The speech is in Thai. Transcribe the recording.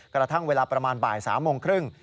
กระทั่งเวลาประมาณบ่าย๓โมงครึ่ง